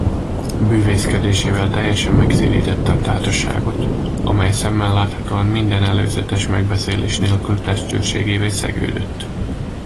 Bűvészkedésével teljesen megszédítette a társaságot, amely szemmel láthatóan minden előzetes megbeszélés nélkül testőrségévé szegődött.